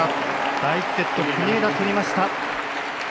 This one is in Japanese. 第１セット国枝とりました。